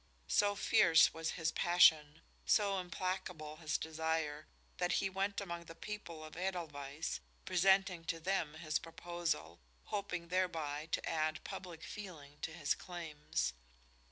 So fierce was his passion, so implacable his desire, that he went among the people of Edelweiss, presenting to them his proposal, hoping thereby to add public feeling to his claims.